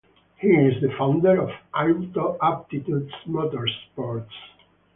He is the founder of Auto Attitudes Motorsports.